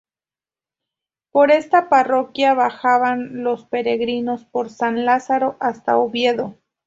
Por esta parroquia bajaban los peregrinos por San Lázaro hasta Oviedo.